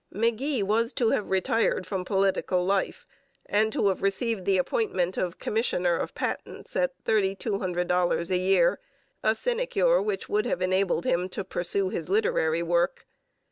McGee was to have retired from political life and to have received the appointment of commissioner of patents at $3200 a year, a sinecure which would have enabled him to pursue his literary work.